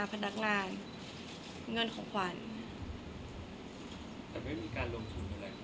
คนเราถ้าใช้ชีวิตมาจนถึงอายุขนาดนี้แล้วค่ะ